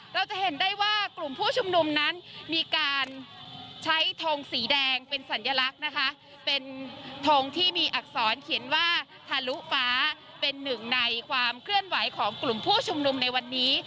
เราจะเห็นได้ว่ากลุ่มผู้ชุมนุมนั้นมีการใช้ทงสีแดงเป็นสัญลักษณ์นะคะเป็นทงที่มีอักษรเขียนว่าทะลุฟ้าเป็นหนึ่งในความเคลื่อนไหวของกลุ่มผู้ชุมนุมในวันนี้